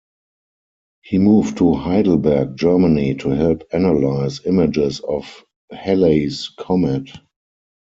He moved to Heidelberg, Germany, to help analyse images of Halley's Comet.